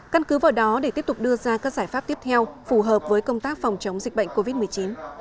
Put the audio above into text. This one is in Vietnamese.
căn cứ vào đó để tiếp tục đưa ra các giải pháp tiếp theo phù hợp với công tác phòng chống dịch bệnh covid một mươi chín